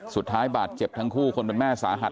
สุดท้ายบาดเจ็บทั้งคู่คนเป็นแม่สาหัส